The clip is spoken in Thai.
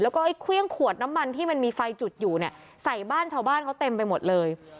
แล้วก็ไอ้เครื่องขวดน้ำมันที่มันมีไฟจุดอยู่เนี่ยใส่บ้านชาวบ้านเขาเต็มไปหมดเลย